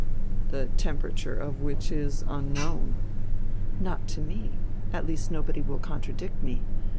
"The temperature of which is unknown." "Not to me; at least nobody will contradict me.